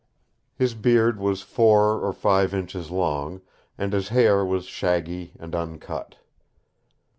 His beard was four or five inches long, and his hair was shaggy and uncut.